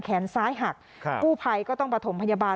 แขนซ้ายหักกู้ภัยก็ต้องประถมพยาบาล